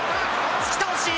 突き倒し。